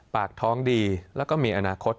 ปากท้องดีแล้วก็มีอนาคต